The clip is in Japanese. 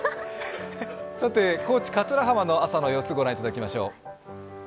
さて高知・桂浜の朝の様子、御覧いただきましょう。